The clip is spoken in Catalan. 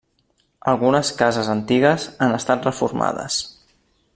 Algunes cases antigues han estat reformades.